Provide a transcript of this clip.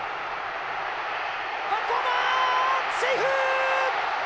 バックホームはセーフ！